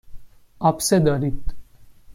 آبسه دارید.